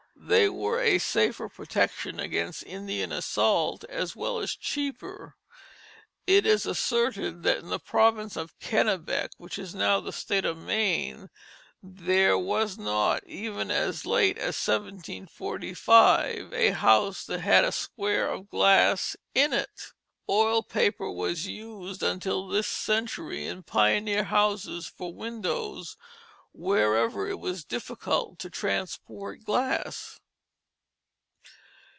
They were a safer protection against Indian assault, as well as cheaper. It is asserted that in the province of Kennebec, which is now the state of Maine, there was not, even as late as 1745, a house that had a square of glass in it. Oiled paper was used until this century in pioneer houses for windows wherever it was difficult to transport glass.